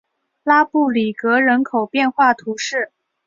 拉布里格人口变化图示